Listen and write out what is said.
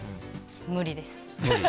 無理です。